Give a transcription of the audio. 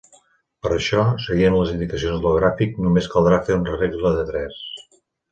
Per a això, seguint les indicacions del gràfic, només caldrà fer una regla de tres.